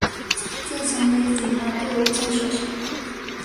践行于检察队伍建设上